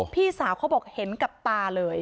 พี่สาวเขาบอกเห็นกับตาเลย